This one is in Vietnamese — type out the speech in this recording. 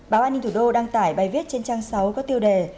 báo an ninh thủ đô đăng tải bài viết trên trang sáu có tiêu đề